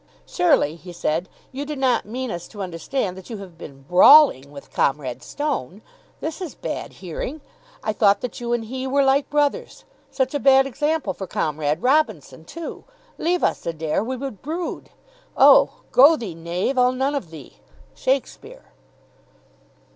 "Surely," he said, "you do not mean us to understand that you have been brawling with Comrade Stone! This is bad hearing. I thought that you and he were like brothers. Such a bad example for Comrade Robinson, too. Leave us, Adair. We would brood. Oh, go thee, knave, I'll none of thee. Shakespeare."